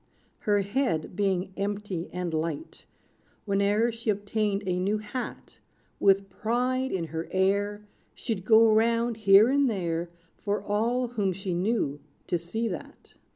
Her head being empty and light, Whene'er she obtained a new hat, With pride in her air, She'd go round, here and there, For all whom she knew to see that.